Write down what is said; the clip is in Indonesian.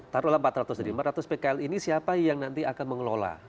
taruhlah empat ratus empat ratus pkl ini siapa yang nanti akan mengelola